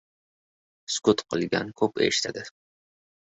• Sukut qilgan ko‘p eshitadi.